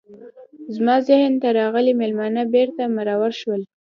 زما ذهن ته راغلي میلمانه بیرته مرور شول.